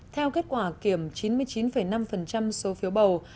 theo kết quả kiểm chín mươi chín năm số phiếu bầu